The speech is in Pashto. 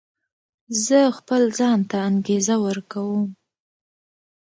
زه خپل ځان ته انګېزه ورکوم.